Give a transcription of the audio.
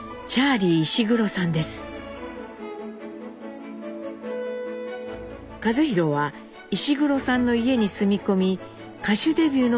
一寛は石黒さんの家に住み込み歌手デビューの日を待ちます。